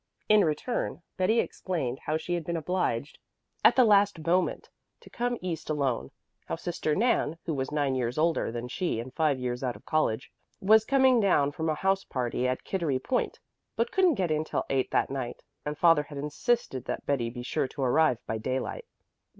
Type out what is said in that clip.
In return Betty explained how she had been obliged at the last moment to come east alone; how sister Nan, who was nine years older than she and five years out of college, was coming down from a house party at Kittery Point, but couldn't get in till eight that night; and father had insisted that Betty be sure to arrive by daylight.